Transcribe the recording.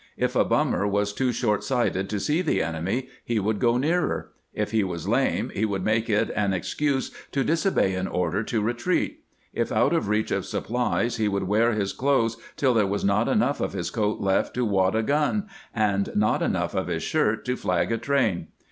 If a bummer was too short sighted to see the enemy, he would go nearer ; if he was lame, he would make it an excuse to disobey an order to retreat ; if out of reach of supplies, he would wear his clothes till there was not enough of his coat left to wad a gun, and not enough of his shirt to flag a train.